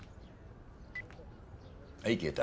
はい消えた。